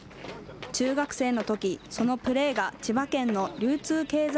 中学生のとき、そのプレーが千葉県の流通経済